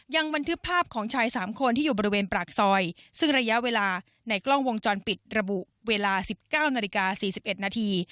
ยังบันทึกภาพของชาย๓คนที่อยู่บริเวณปากซอยซึ่งระยะเวลาในกล้องวงจรปิดระบุเวลา๑๙นาฬิกา๔๑นาที